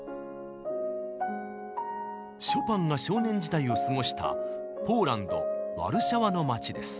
ショパンが少年時代を過ごしたポーランドワルシャワの町です。